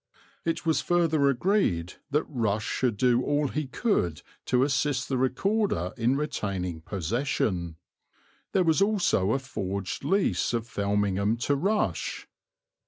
It was further agreed that Rush should do all he could to assist the Recorder in retaining possession. There was also a forged lease of Felmingham to Rush.